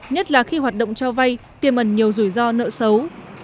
nhất là khi hoạt động cho vay tiềm ẩn nhiều rủi ro nợ xấu